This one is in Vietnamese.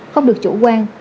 không được chủ quan